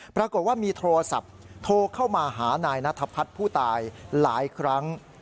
ปรากฏว่ามีโทรศัพท์โทรเข้ามาหานายนัทพัฒน์ผู้ตายหลายครั้ง